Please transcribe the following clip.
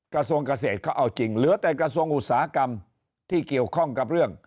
กระทรวงเกษตรเขาเอาจริงเหลือแต่กระทรวงอุตสาหกรรมที่เกี่ยวข้องกับเรื่อง